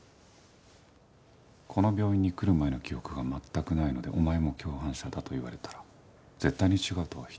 この病院に来る前の記憶が全くないのでお前も共犯者だと言われたら絶対に違うとは否定できません。